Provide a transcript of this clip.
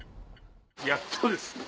やっとですね。